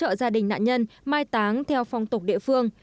hỗ trợ gia đình nạn nhân mai táng theo phong tục địa phương